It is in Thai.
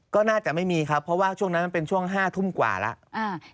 ก็น่าจะไม่มีครับเพราะว่าช่วงนั้นมันเป็นช่วง๕ทุ่มกว่าแล้ว